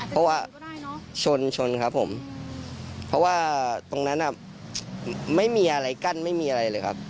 เพราะว่าชนชนครับผมเพราะว่าตรงนั้นไม่มีอะไรกั้นไม่มีอะไรเลยครับ